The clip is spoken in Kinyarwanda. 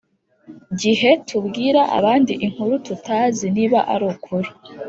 gihe tubwira abandi inkuru tutazi niba ari ukuri